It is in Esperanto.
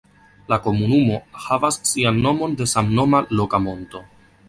La komunumo havas sian nomon de samnoma loka monto.